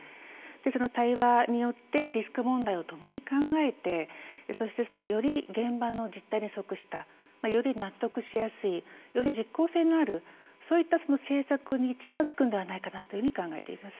対話によってリスク問題をともに考えてそして、より現場の実態に即したより納得しやすいより実効性のあるそういった政策に近づくのではないかと考えています。